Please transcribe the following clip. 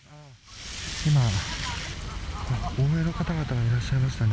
今、応援の方々がいらっしゃいましたね。